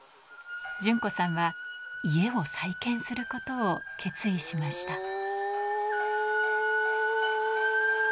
順子さんは家を再建することを決意しました。